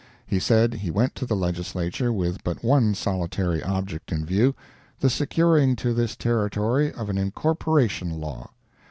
He said he went to the Legislature with but one solitary object in view—the securing to this Territory of an incorporation law.